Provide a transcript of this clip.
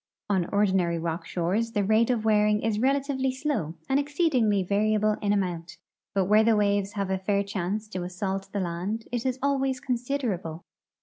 On ordinary rock shores the rate of AA^earing is relatively slow and exceedingly variable in amount, but Avhere the waves have a fair chance to assault the land it is always considerable.